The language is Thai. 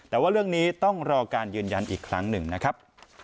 แต่ว่าเรื่องนี้ต้องรอการยืนยันอีกครั้งหนึ่งนะครับ